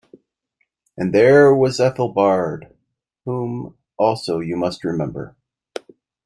And there was Ethel Baird, whom also you must remember.